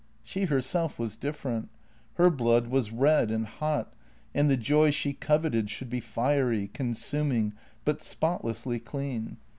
She herself was different; her blood was red and hot, and the joy she coveted should be fiery, consuming, but spotlessly clean.